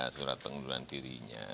surat pengunturan dirinya